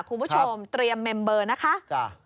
คุณผู้ชมเตรียมเมมเบอร์นะคะ